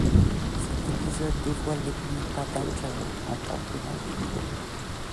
Cet épisode dévoile les premiers pas d'Angel en tant que vampire.